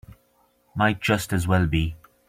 Might just as well be.